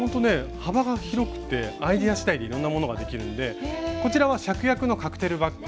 幅が広くてアイデア次第でいろんなものができるんでこちらはシャクヤクのカクテルバッグ。